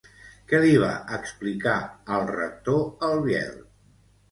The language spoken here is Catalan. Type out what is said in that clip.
Què li va explicar al rector el Biel?